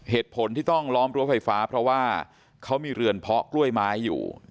เหตุผลที่ต้องล้อมรั้วไฟฟ้าเพราะว่าเขามีเรือนเพาะกล้วยไม้อยู่